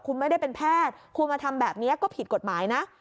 คุณไม่ได้เป็นแพทย์คุณมาทำแบบนี้ก็ผิดกฎหมายนะ